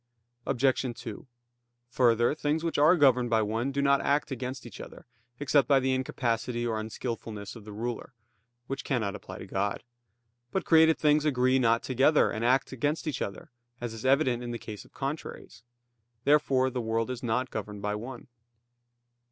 Obj. 2: Further, things which are governed by one do not act against each other, except by the incapacity or unskillfulness of the ruler; which cannot apply to God. But created things agree not together, and act against each other; as is evident in the case of contraries. Therefore the world is not governed by one.